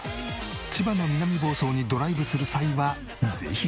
千葉の南房総にドライブする際はぜひ！